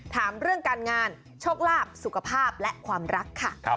ถามเรื่องการงานโชคลาภสุขภาพและความรักค่ะ